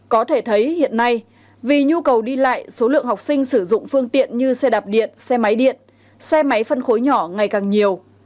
có thể thấy hiện nay vì nhu cầu đi lại số lượng học sinh sử dụng phương tiện như xe đạp điện xe máy điện xe máy phân khối nhỏ ngày càng nhiều